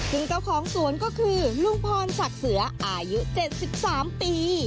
ถึงเก้าของสวนก็คือลุงพรศักดิ์เสืออายุเจ็ดสิบสามปี